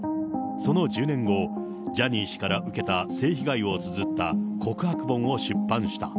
その１０年後、ジャニー氏から受けた性被害をつづった告白本を出版した。